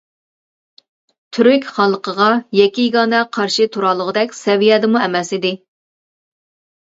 تۈرك خانلىقىغا يەككە-يېگانە قارشى تۇرالىغۇدەك سەۋىيەدىمۇ ئەمەس ئىدى.